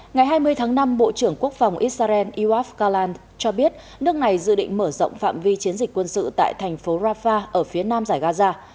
ngày hai mươi tháng năm bộ trưởng quốc phòng israel iwav kalan cho biết nước này dự định mở rộng phạm vi chiến dịch quân sự tại thành phố rafah ở phía nam giải gaza